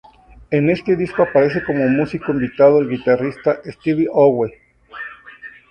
En este disco aparece como músico invitado el guitarrista Steve Howe.